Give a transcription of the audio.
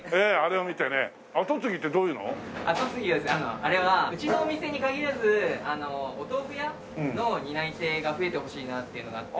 あれはうちのお店に限らずお豆腐屋の担い手が増えてほしいなっていうのがあって。